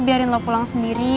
biarin lo pulang sendiri